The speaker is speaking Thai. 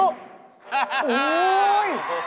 โอ้โห